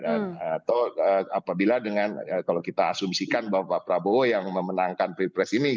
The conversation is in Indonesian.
atau apabila dengan kalau kita asumsikan bahwa pak prabowo yang memenangkan pilpres ini